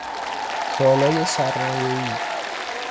کالای سرمایه ای